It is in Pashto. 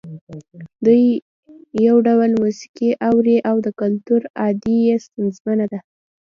دوی یو ډول موسیقي اوري خو د کلتور ادعا یې ستونزمنه ده.